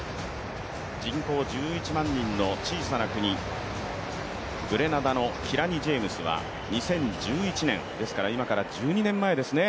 人口１１万人の小さな国、グレナダのキラニ・ジェームスは２０１１年、今から１２年前ですね。